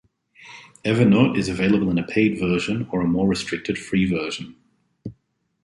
Evernote is available in a paid version or a more restricted free version.